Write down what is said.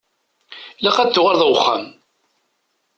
Ilaq ad tuɣaleḍ ar uxxam.